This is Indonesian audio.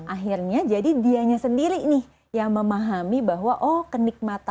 akhirnya jadi dianya sendiri nih yang memahami bahwa oh kenikmatan